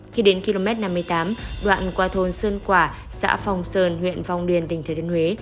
khi đến km năm mươi tám đoạn qua thôn sơn quả xã phong sơn huyện phong điền tỉnh thừa thiên huế